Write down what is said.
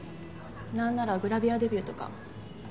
なんならグラビアデビューとか。